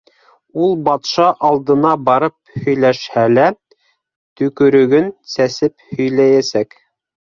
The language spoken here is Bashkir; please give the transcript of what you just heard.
Ул батша алдына барып һөйләшһә лә, төкөрөгөн сәсеп һөйләйәсәк.